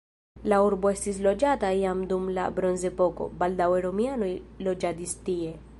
La urbo estis loĝata jam dum la bronzepoko, baldaŭe romianoj loĝadis tie.